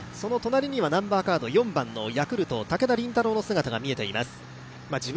その隣にはナンバーカード４番のヤクルト武田凜太郎の姿が見えています。